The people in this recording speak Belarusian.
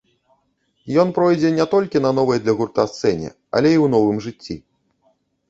Ён пройдзе не толькі на новай для гурта сцэне, але і ў новым жыцці.